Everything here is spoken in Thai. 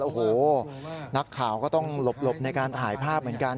โอ้โหนักข่าวก็ต้องหลบในการถ่ายภาพเหมือนกัน